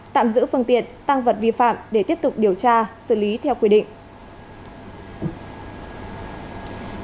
tạm giữ phương tiện tăng vật vi phạm để tiếp tục điều tra xử lý theo quy định